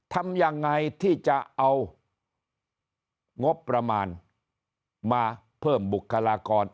ทำยังไงที่จะเอางบประมาณมาเพิ่มบุคลากร